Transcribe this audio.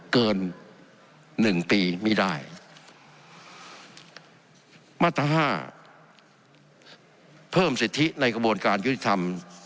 เกินหนึ่งปีไม่ได้มาตรห้าเพิ่มสิทธิในกระบวนการยุติธรรม